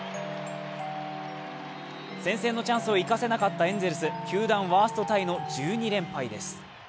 先制のチャンスを生かせなかったエンゼルス球団ワーストタイの１２連敗です。